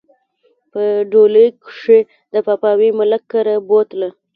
په ډولۍ کښې د پاپاوي ملک کره بوتله